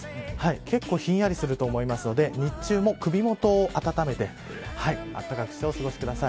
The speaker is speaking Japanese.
結構ひんやりすると思うので日中も首元を温めて温かくしてお過ごしください。